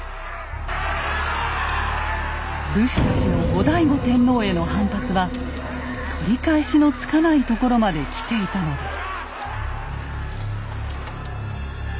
武士たちの後醍醐天皇への反発は取り返しのつかないところまできていたのです。